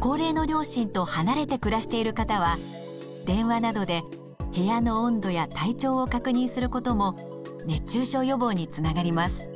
高齢の両親と離れて暮らしている方は電話などで部屋の温度や体調を確認することも熱中症予防につながります。